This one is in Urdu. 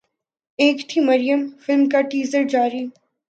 ایک تھی مریم فلم کا ٹیزر جاری